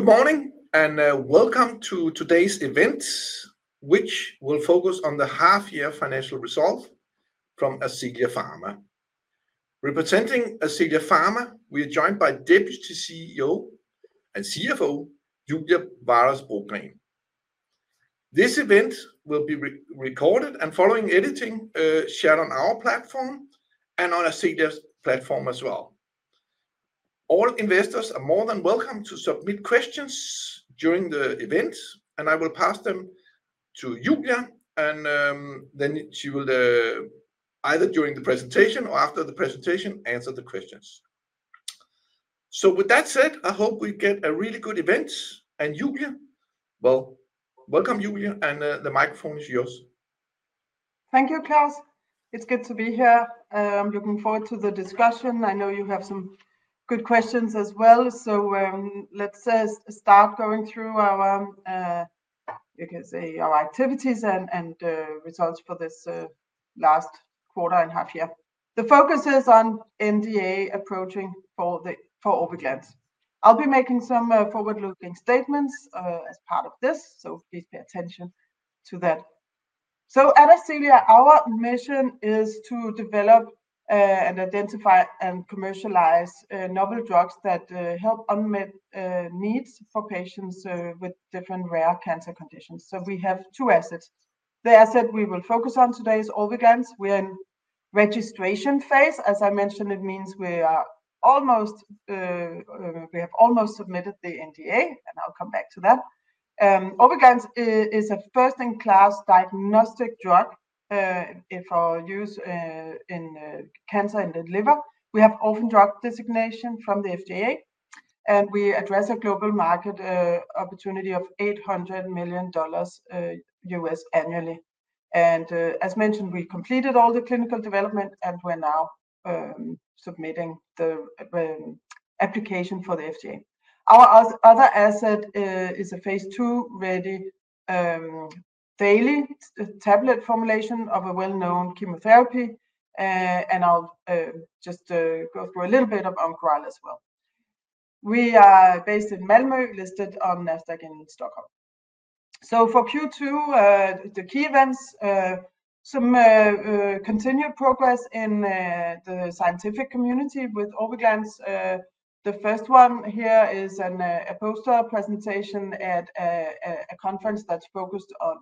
Good morning and welcome to today's event, which will focus on the half-year financial results from Ascelia Pharma. Representing Ascelia Pharma, we are joined by Deputy CEO and CFO Julie Waras Brogren. This event will be recorded and, following editing, shared on our platform and on Ascelia's platform as well. All investors are more than welcome to submit questions during the event, and I will pass them to Julie, and then she will, either during the presentation or after the presentation, answer the questions. With that said, I hope we get a really good event. Julie, welcome, and the microphone is yours. Thank you, Klaus. It's good to be here. I'm looking forward to the discussion. I know you have some good questions as well, so let's start going through our activities and results for this last quarter and half-year. The focus is on NDA approaching for Orviglance. I'll be making some forward-looking statements as part of this, so please pay attention to that. At Ascelia, our mission is to develop and identify and commercialize novel drugs that help unmet needs for patients with different rare cancer conditions. We have two assets. The asset we will focus on today is Orviglance. We are in the registration phase. As I mentioned, it means we have almost submitted the NDA, and I'll come back to that. Orviglance is a first-in-class diagnostic drug for use in cancer in the liver. We have an orphan drug designation from the U.S. FDA, and we address a global market opportunity of $800 million annually. As mentioned, we completed all the clinical development, and we're now submitting the application for the FDA. Our other asset is a phase II-ready daily tablet formulation of a well-known chemotherapy, and I'll just go through a little bit of Oncoral as well. We are based in Malmö, listed on Nasdaq in Stockholm. For Q2, the key events, some continued progress in the scientific community with Orviglance. The first one here is a poster presentation at a conference that's focused on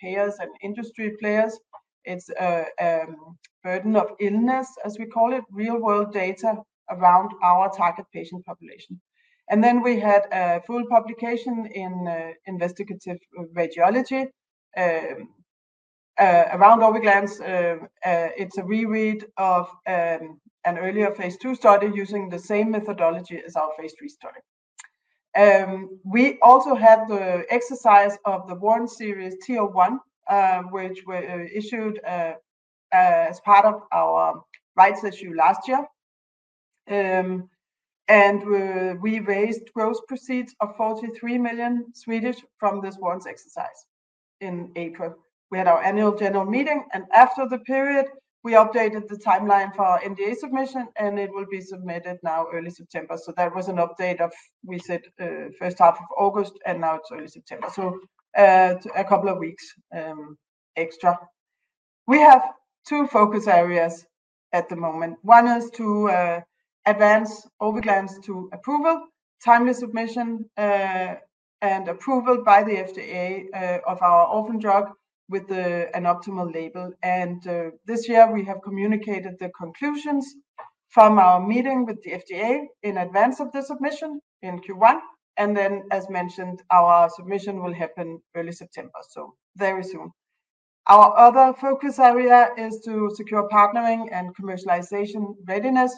payers and industry players. It's a burden of illness, as we call it, real-world data around our target patient population. We had a full publication in Investigative Radiology around Orviglance. It's a reread of an earlier phase II study using the same methodology as our phase III study. We also had the exercise of the Warrant Series TO1, which was issued as part of our rights issue last year, and we raised gross proceeds of 43 million from this warrant exercise in April. We had our annual general meeting, and after the period, we updated the timeline for NDA submission, and it will be submitted now, early September. That was an update of, we said, first half of August, and now it's early September. A couple of weeks extra. We have two focus areas at the moment. One is to advance Orviglance to approval, timely submission, and approval by the FDA of our orphan drug with an optimal label. This year, we have communicated the conclusions from our meeting with the FDA in advance of the submission in Q1. As mentioned, our submission will happen early September, so very soon. Our other focus area is to secure partnering and commercialization readiness.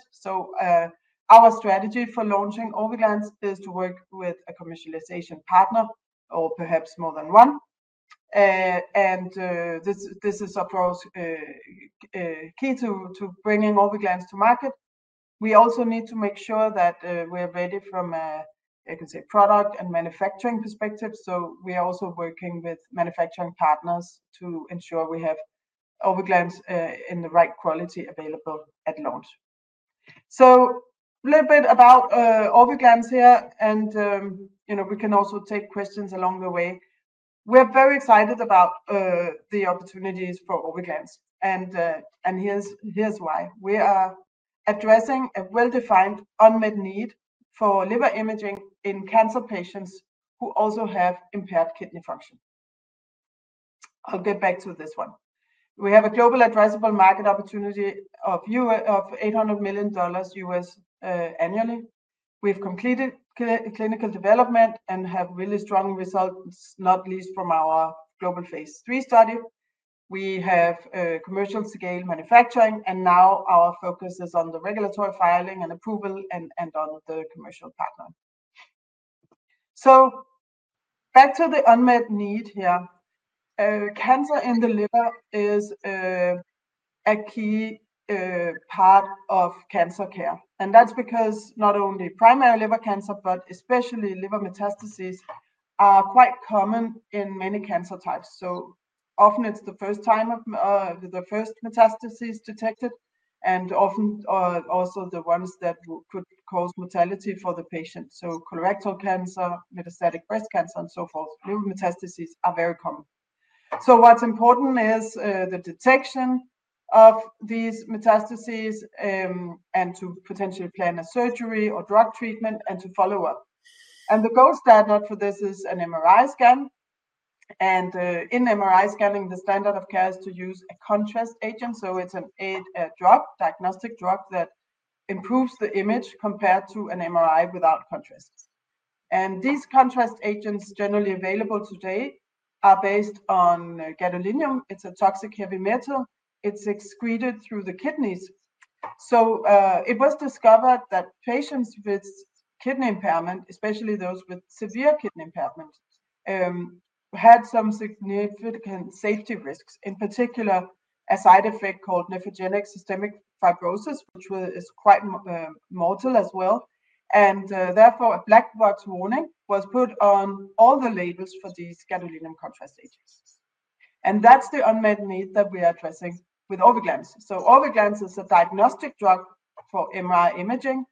Our strategy for launching Orviglance is to work with a commercialization partner, or perhaps more than one. This is, of course, key to bringing Orviglance to market. We also need to make sure that we're ready from a product and manufacturing perspective. We are also working with manufacturing partners to ensure we have Orviglance in the right quality available at launch. A little bit about Orviglance here, and you know we can also take questions along the way. We're very excited about the opportunities for Orviglance, and here's why. We are addressing a well-defined unmet need for liver imaging in cancer patients who also have impaired kidney function. I'll get back to this one. We have a global addressable market opportunity of $800 million annually. We've completed clinical development and have really strong results, not least from our global phase III study. We have commercial scale manufacturing, and now our focus is on the regulatory filing and approval and all of the commercial partner. Back to the unmet need here. Cancer in the liver is a key part of cancer care, and that's because not only primary liver cancer, but especially liver metastases are quite common in many cancer types. Often it's the first time of the first metastases detected, and often also the ones that could cause mortality for the patient. Colorectal cancer, metastatic breast cancer, and so forth. Liver metastases are very common. What's important is the detection of these metastases and to potentially plan a surgery or drug treatment and to follow up. The gold standard for this is an MRI scan. In MRI scanning, the standard of care is to use a contrast agent. It's a drug, diagnostic drug that improves the image compared to an MRI without contrast. These contrast agents generally available today are based on gadolinium. It's a toxic heavy metal. It's excreted through the kidneys. It was discovered that patients with kidney impairment, especially those with severe kidney impairment, had some significant safety risks, in particular a side effect called nephrogenic systemic fibrosis, which is quite mortal as well. Therefore, a black box warning was put on all the labels for these gadolinium-based contrast agents. That's the unmet need that we are addressing with Orviglance. Orviglance is a diagnostic drug for MRI imaging.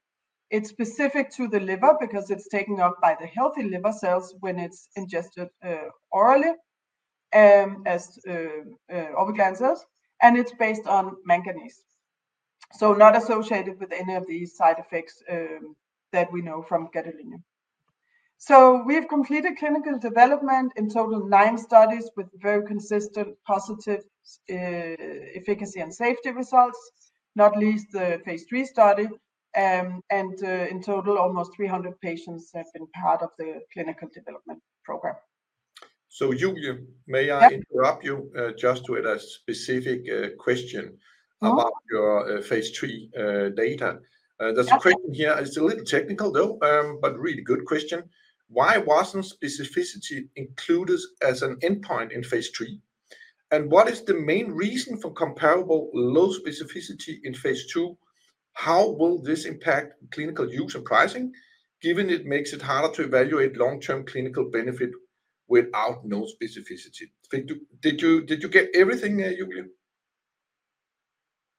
It's specific to the liver because it's taken up by the healthy liver cells when it's ingested orally, as Orviglance does, and it's based on manganese. It's not associated with any of these side effects that we know from gadolinium-based contrast agents. We had completed clinical development in total nine studies with very consistent positive efficacy and safety results, not least the phase III study. In total, almost 300 patients have been part of the clinical development program. Julie, may I interrupt you just to add a specific question about your phase III data? There's a question here. It's a little technical, though, but really good question. Why wasn't specificity included as an endpoint in phase III? What is the main reason for comparable low specificity in phase II? How will this impact clinical use and pricing, given it makes it harder to evaluate long-term clinical benefit without specificity? Did you get everything, Julie?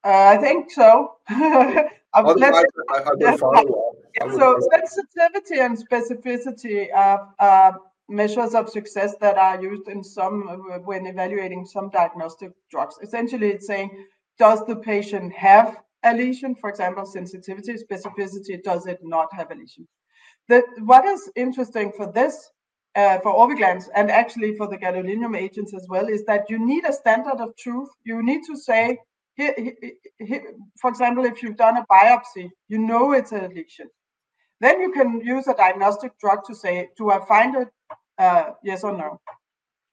I think so. I have to follow up. Sensitivity and specificity are measures of success that are used when evaluating some diagnostic drugs. Essentially, it's saying, does the patient have a lesion? For example, sensitivity, specificity, does it not have a lesion? What is interesting for this, for Orviglance, and actually for the gadolinium-based contrast agents as well, is that you need a standard of truth. You need to say, for example, if you've done a biopsy, you know it's a lesion. Then you can use a diagnostic drug to say, do I find it? Yes or no,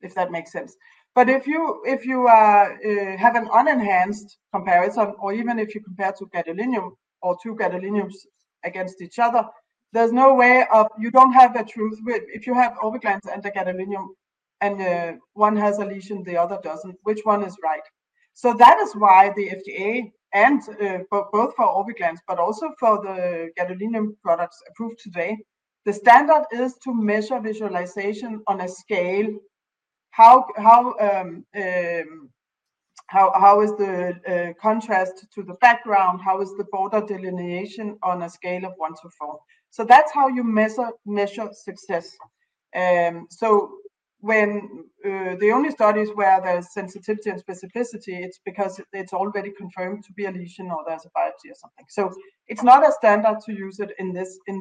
if that makes sense. If you have an unenhanced comparison, or even if you compare two gadolinium-based contrast agents against each other, there's no way of, you don't have the truth. If you have Orviglance and the gadolinium-based contrast agent, and one has a lesion, the other doesn't, which one is right? That is why the FDA, and both for Orviglance, but also for the gadolinium-based contrast agents approved today, the standard is to measure visualization on a scale. How is the contrast to the background? How is the border delineation on a scale of one to four? That's how you measure success. The only studies where there's sensitivity and specificity, it's because it's already confirmed to be a lesion or there's a biopsy or something. It's not a standard to use it in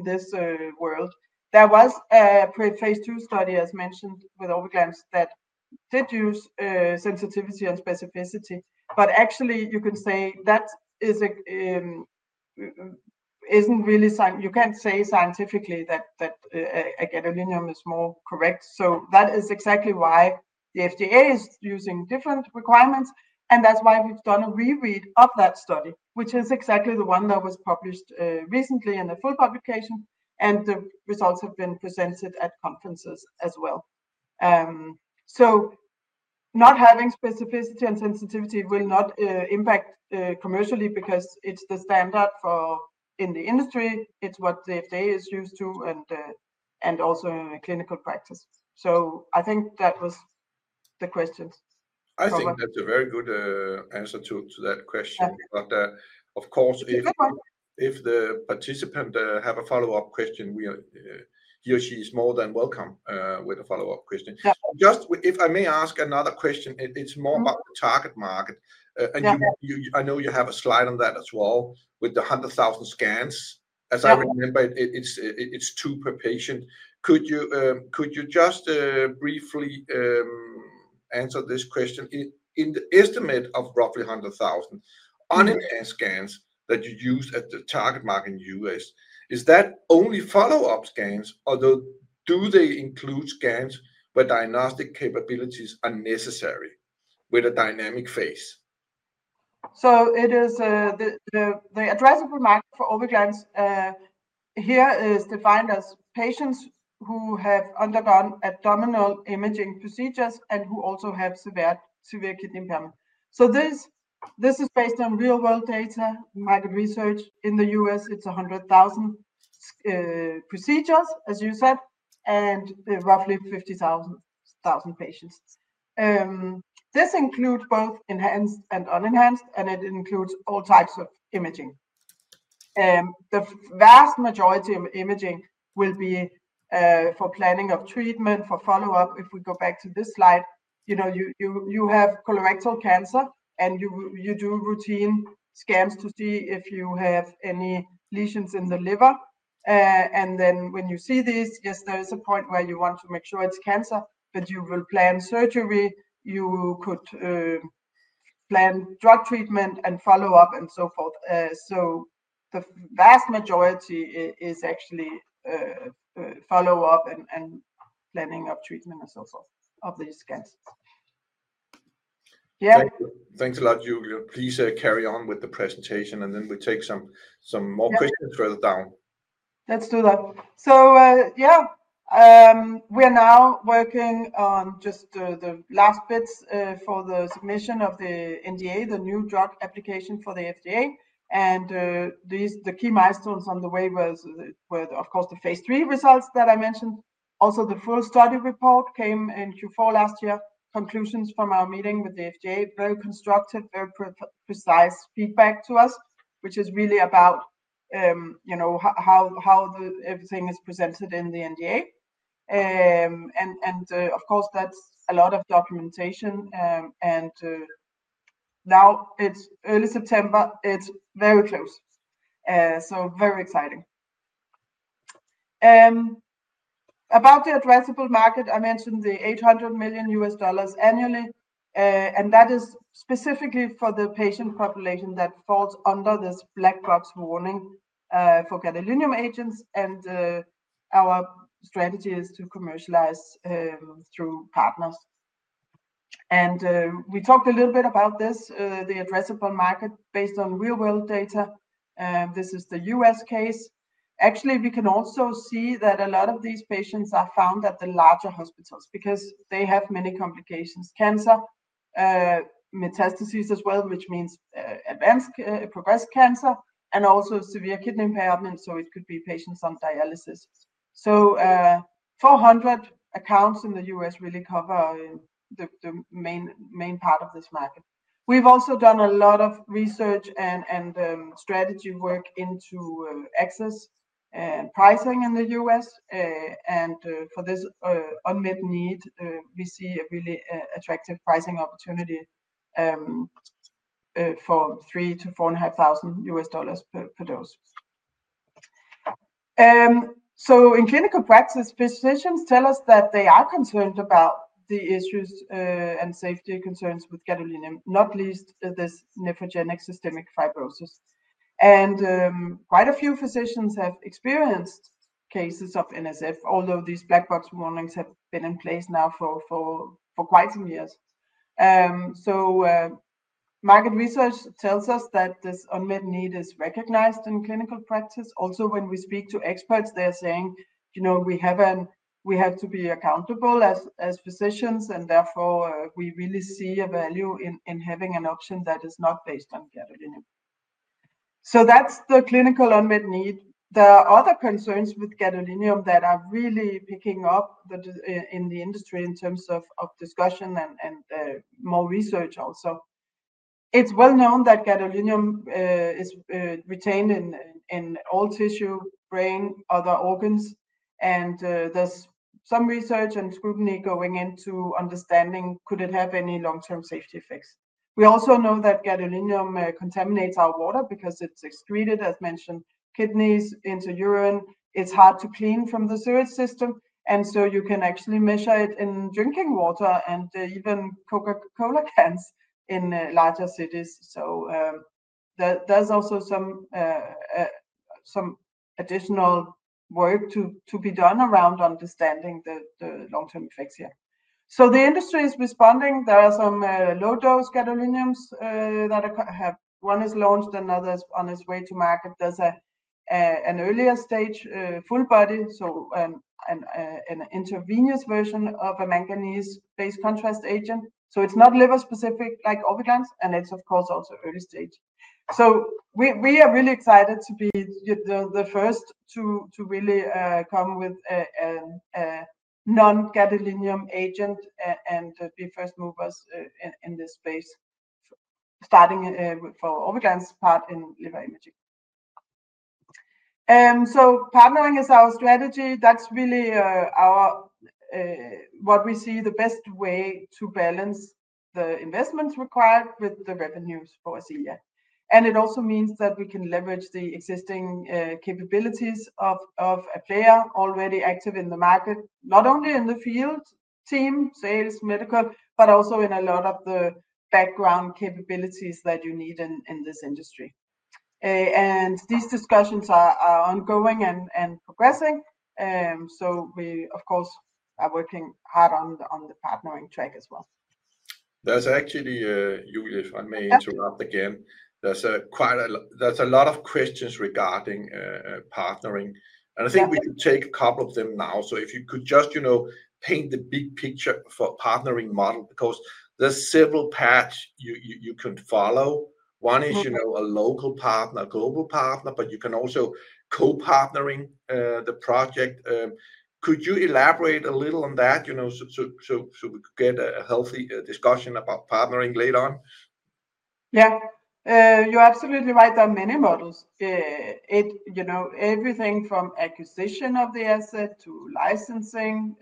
this world. There was a phase II study, as mentioned, with Orviglance that did use sensitivity and specificity. Actually, you can say that isn't really something you can say scientifically that a gadolinium-based contrast agent is more correct. That is exactly why the FDA is using different requirements, and that's why we've done a reread of that study, which is exactly the one that was published recently in a full publication, and the results have been presented at conferences as well. Not having specificity and sensitivity will not impact commercially because it's the standard in the industry. It's what the FDA is used to and also in clinical practice. I think that was the questions. I think you have a very good answer to that question. Of course, if the participant has a follow-up question, he or she is more than welcome with a follow-up question. If I may ask another question, it's more about the target market. I know you have a slide on that as well with the 100,000 scans. As I remember, it's two per patient. Could you just briefly answer this question? In the estimate of roughly 100,000 unenhanced scans that you use as the target market in the U.S., is that only follow-up scans, or do they include scans where diagnostic capabilities are necessary with a dynamic phase? The addressable market for Orviglance here is defined as patients who have undergone abdominal imaging procedures and who also have severe kidney impairment. This is based on real-world data, market research. In the U.S., it's 100,000 procedures, as you said, and roughly 50,000 patients. This includes both enhanced and unenhanced, and it includes all types of imaging. The vast majority of imaging will be for planning of treatment, for follow-up. If we go back to this slide, you know, you have colorectal cancer, and you do routine scans to see if you have any lesions in the liver. When you see this, yes, there is a point where you want to make sure it's cancer, but you will plan surgery. You could plan drug treatment and follow up and so forth. The vast majority is actually follow-up and planning of treatment and so forth of these scans. Yeah. Thanks a lot, Julie. Please carry on with the presentation, and then we'll take some more questions further down. Let's do that. We're now working on just the last bits for the submission of the NDA, the New Drug Application for the FDA. The key milestones on the way were, of course, the phase III results that I mentioned. Also, the full study report came in Q4 last year. Conclusions from our meeting with the FDA were very constructive, very precise feedback to us, which is really about how everything is presented in the NDA. Of course, that's a lot of documentation. Now it's early September. It's very close. Very exciting. About the addressable market, I mentioned the $800 million annually, and that is specifically for the patient population that falls under this black box warning for gadolinium-based contrast agents. Our strategy is to commercialize through partners. We talked a little bit about this, the addressable market based on real-world data. This is the U.S. case. Actually, we can also see that a lot of these patients are found at the larger hospitals because they have many complications, cancer, metastases as well, which means advanced progressed cancer, and also severe kidney impairment. It could be patients on dialysis. Four hundred accounts in the U.S. really cover the main part of this market. We've also done a lot of research and strategy work into access and pricing in the U.S. For this unmet need, we see a really attractive pricing opportunity for $3,000-$4,500 per dose. In clinical practice, physicians tell us that they are concerned about the issues and safety concerns with gadolinium, not least this nephrogenic systemic fibrosis. Quite a few physicians have experienced cases of NSF, although these black box warnings have been in place now for quite some years. Market research tells us that this unmet need is recognized in clinical practice. Also, when we speak to experts, they're saying we have to be accountable as physicians, and therefore, we really see a value in having an option that is not based on gadolinium. That's the clinical unmet need. There are other concerns with gadolinium that are really picking up in the industry in terms of discussion and more research also. It's well known that gadolinium is retained in all tissue, brain, other organs. There's some research and scrutiny going into understanding, could it have any long-term safety effects? We also know that gadolinium contaminates our water because it's excreted, as mentioned, kidneys, into urine. It's hard to clean from the sewerage system. You can actually measure it in drinking water and even Coca-Cola cans in larger cities. There's also some additional work to be done around understanding the long-term effects here. The industry is responding. There are some low-dose gadolinium-based contrast agents; one is launched, another is on its way to market. There's an earlier stage full body, an intravenous version of a manganese-based contrast agent. It's not liver specific like Orviglance, and it's, of course, also early stage. We are really excited to be the first to really come with a non-gadolinium agent and be first movers in this space, starting for Orviglance's part in liver imaging. Partnering is our strategy. That's really what we see as the best way to balance the investments required with the revenues for Ascelia. It also means that we can leverage the existing capabilities of a player already active in the market, not only in the field team, sales, medical, but also in a lot of the background capabilities that you need in this industry. These discussions are ongoing and progressing. We, of course, are working hard on the partnering track as well. There's actually, Julie, if I may interrupt again, a lot of questions regarding partnering. I think we can take a couple of them now. If you could just paint the big picture for a partnering model, because there's several paths you can follow. One is a local partner, a global partner, but you can also co-partner the project. Could you elaborate a little on that, so we could get a healthy discussion about partnering later on? Yeah, you're absolutely right. There are many models, you know, everything from acquisition of the asset to licensing.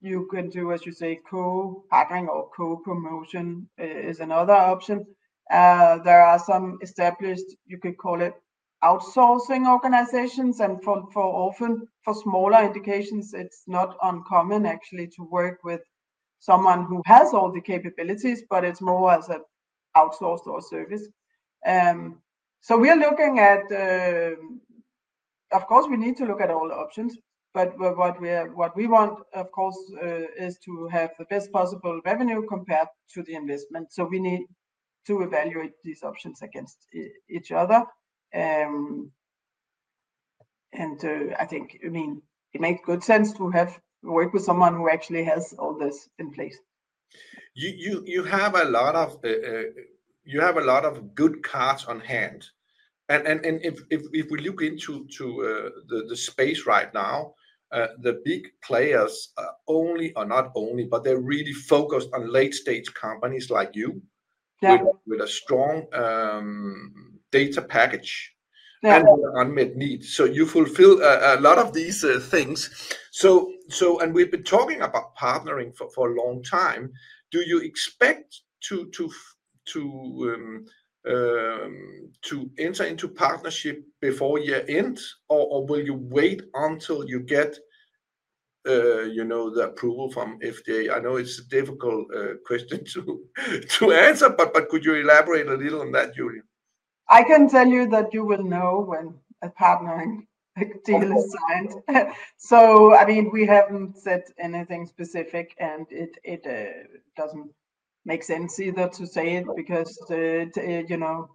You can do, as you say, co-partnering or co-promotion is another option. There are some established, you could call it outsourcing organizations. For often for smaller applications, it's not uncommon, actually, to work with someone who has all the capabilities, but it's more as an outsourced service. We are looking at, of course, we need to look at all options, but what we want, of course, is to have the best possible revenue compared to the investment. We need to evaluate these options against each other. I think it makes good sense to work with someone who actually has all this in place. You have a lot of good cards on hand. If we look into the space right now, the big players are not only, but they're really focused on late-stage companies like you with a strong data package and unmet needs. You fulfill a lot of these things. We've been talking about partnering for a long time. Do you expect to enter into partnership before year end, or will you wait until you get the approval from the FDA? I know it's a difficult question to answer, but could you elaborate a little on that, Julie? I can tell you that you will know when a partnering deal is signed. We haven't said anything specific, and it doesn't make sense either to say it because, you know,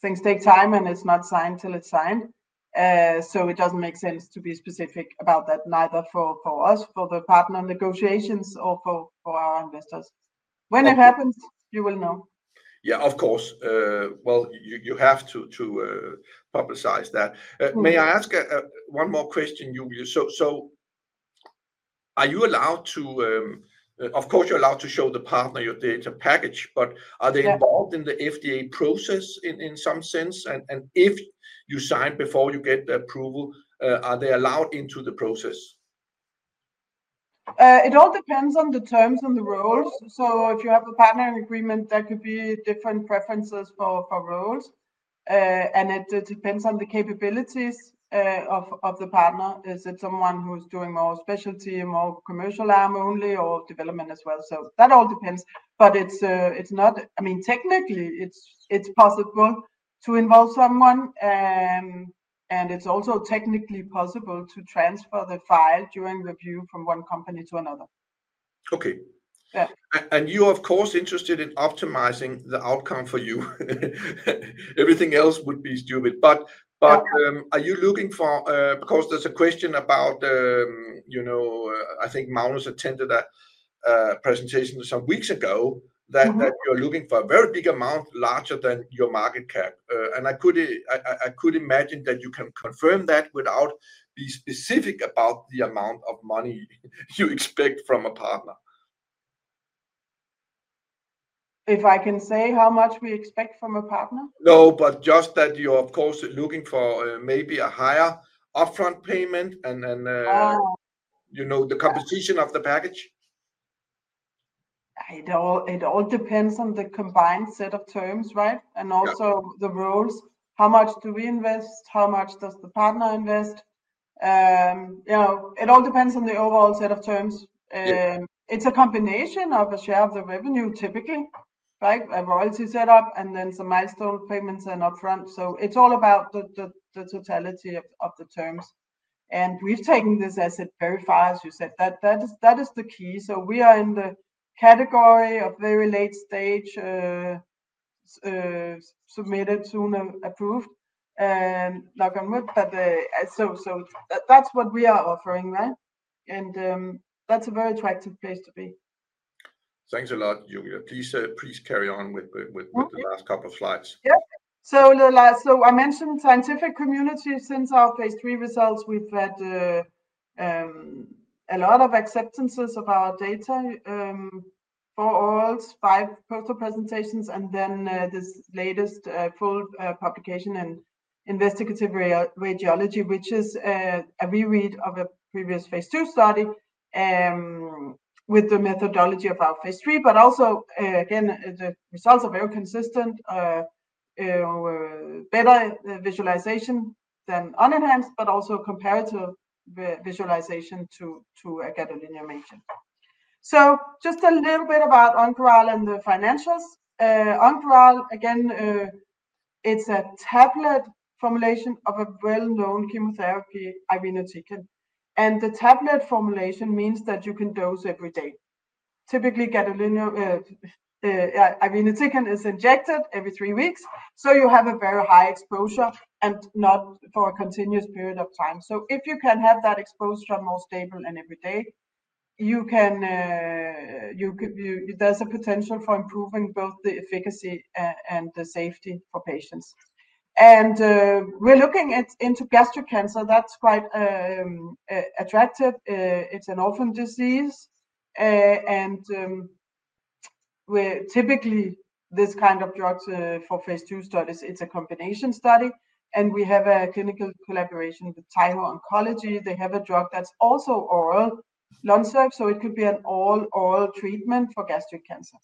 things take time, and it's not signed till it's signed. It doesn't make sense to be specific about that, neither for us, for the partner negotiations, or for our investors. When it happens, you will know. Of course. You have to publicize that. May I ask one more question, Julie? Are you allowed to, of course, you're allowed to show the partner your data package, but are they involved in the FDA process in some sense? If you sign before you get the approval, are they allowed into the process? It all depends on the terms and the roles. If you have a partnering agreement, there could be different preferences for roles. It depends on the capabilities of the partner. Is it someone who's doing more specialty, more commercial arm only, or development as well? That all depends. Technically, it's possible to involve someone. It's also technically possible to transfer the file during review from one company to another. Okay. You are, of course, interested in optimizing the outcome for you. Everything else would be stupid. Are you looking for, of course, there's a question about, you know, I think Mauro's attended that presentation some weeks ago, that you're looking for a very big amount, larger than your market cap. I could imagine that you can confirm that without being specific about the amount of money you expect from a partner. If I can say how much we expect from a partner? No, just that you are, of course, looking for maybe a higher upfront payment and, you know, the composition of the package. It all depends on the combined set of terms, right? Also the roles. How much do we invest? How much does the partner invest? It all depends on the overall set of terms. It's a combination of a share of the revenue, typically, right? A royalty setup and then some milestone payments and upfront. It's all about the totality of the terms. We've taken this as it verifies, as you said, that is the key. We are in the category of very late stage, submitted soon and approved. Like I meant, that's what we are offering, right? That's a very attractive place to be. Thanks a lot, Julie. Please carry on with the last couple of slides. Yeah. I mentioned scientific community. Since our phase III results, we've had a lot of acceptances of our data for all five poster presentations and then this latest full publication in Investigative Radiology, which is a reread of a previous phase III study with the methodology about phase III. Also, again, the results are very consistent, better visualization than unenhanced, but also comparative visualization to a gadolinium-based contrast agent. Just a little bit about Oncoral and the financials. Oncoral, again, it's a tablet formulation of a well-known chemotherapy, irinotecan. The tablet formulation means that you can dose every day. Typically, irinotecan is injected every three weeks, so you have a very high exposure and not for a continuous period of time. If you can have that exposure more stable and every day, there's a potential for improving both the efficacy and the safety for patients. We're looking at gastric cancer. That's quite attractive. It's an orphan disease. Typically, this kind of drug for phase III studies, it's a combination study. We have a clinical collaboration with Taiho Oncology. They have a drug that's also oral, LONSURF. It could be an all-oral treatment for gastric cancer.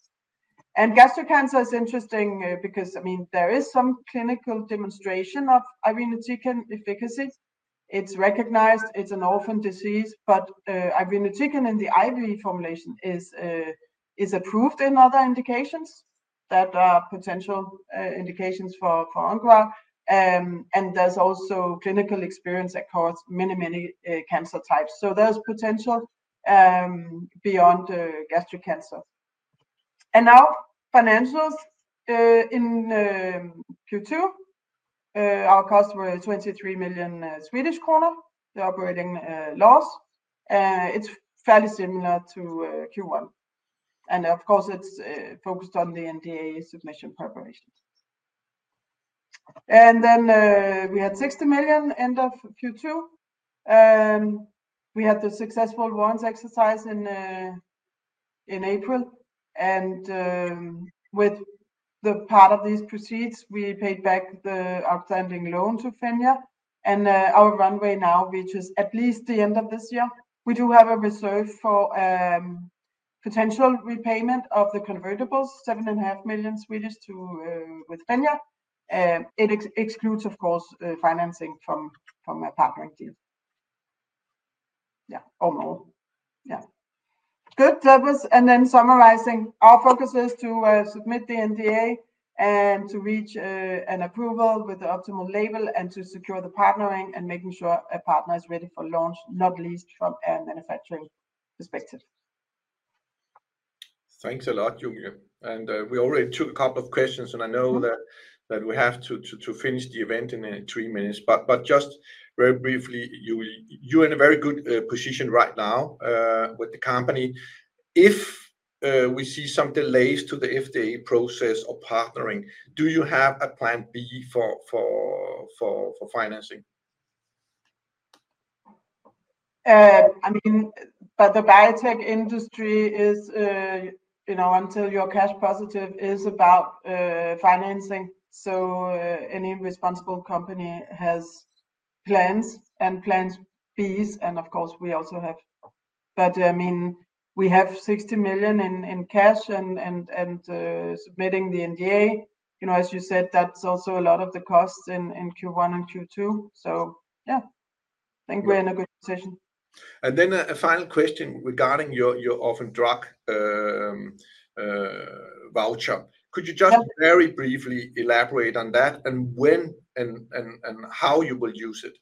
Gastric cancer is interesting because, I mean, there is some clinical demonstration of irinotecan efficacy. It's recognized. It's an orphan disease. Irinotecan in the IV formulation is approved in other indications that are potential indications for Oncoral. There's also clinical experience across many, many cancer types. There's potential beyond gastric cancer. Now, financials in Q2. Our costs were 23 million Swedish kronor. The operating loss is fairly similar to Q1. Of course, it's focused on the NDA submission preparation. We had 60 million end of Q2. We had the successful warrant exercise in April. With part of these proceeds, we paid back the outstanding loan to Fenja. Our runway now reaches at least the end of this year. We do have a reserve for potential repayment of the convertibles, 7.5 million to Fenja. It excludes, of course, financing from a partnering deal. All in all, good. That was, and then summarizing, our focus is to submit the NDA and to reach an approval with the optimal label and to secure the partnering and making sure a partner is ready for launch, not least from a manufacturing perspective. Thanks a lot, Julie. We already took a couple of questions, and I know that we have to finish the event in three minutes. Just very briefly, you're in a very good position right now with the company. If we see some delays to the FDA process or partnering, do you have a plan B for financing? The biotech industry is, you know, until you're cash positive, is about financing. Any responsible company has plans and plans Bs. Of course, we also have. We have 60 million in cash and submitting the NDA. You know, as you said, that's also a lot of the costs in Q1 and Q2. I think we're in a good position. A final question regarding your orphan drug voucher. Could you just very briefly elaborate on that, and when and how you will use it?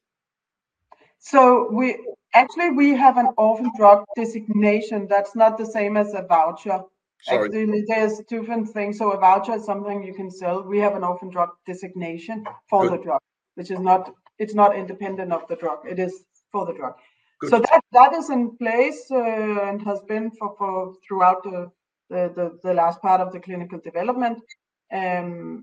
We actually have an orphan drug designation. That's not the same as a voucher. Actually, they're different things. A voucher is something you can sell. We have an orphan drug designation for the drug. It's not independent of the drug. It is for the drug. That is in place and has been for throughout the last part of the clinical development. We're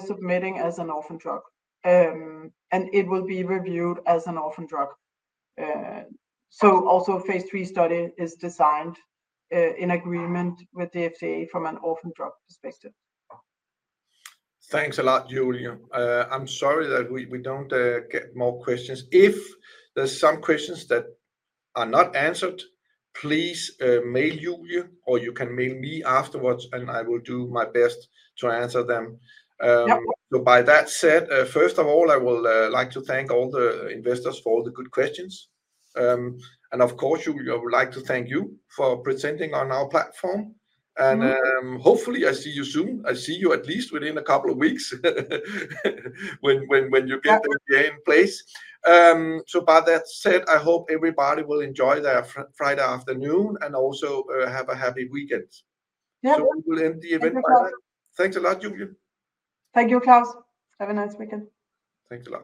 submitting as an orphan drug, and it will be reviewed as an orphan drug. A phase III study is designed in agreement with the FDA from an orphan drug perspective. Thanks a lot, Julie. I'm sorry that we don't get more questions. If there's some questions that are not answered, please mail Julie or you can mail me afterwards, and I will do my best to answer them. By that said, first of all, I would like to thank all the investors for all the good questions. Of course, I would like to thank you for presenting on our platform. Hopefully, I see you soon. I see you at least within a couple of weeks when you get the NDA in place. By that said, I hope everybody will enjoy their Friday afternoon and also have a happy weekend. Yeah. We will end the event by that. Thanks a lot, Julie. Thank you, Klaus. Have a nice weekend. Thank you a lot.